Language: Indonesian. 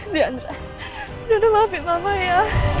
dianera jangan maafin mama ya